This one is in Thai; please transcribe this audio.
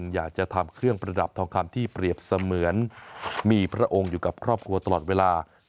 อยากจะทำเครื่องประดับทองคำที่เปรียบเสมือนมีพระองค์อยู่กับครอบครัวตลอดเวลา